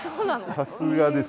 さすがです。